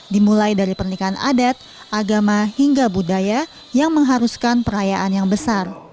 dimulai dari pernikahan adat agama hingga budaya yang mengharuskan perayaan yang besar